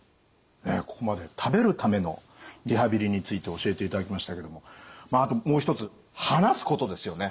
ここまで食べるためのリハビリについて教えていただきましたけどもまああともう一つ話すことですよね。